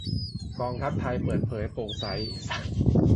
กองทัพไทย เปิดเผย โปร่งใส